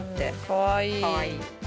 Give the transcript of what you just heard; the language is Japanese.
かわいい。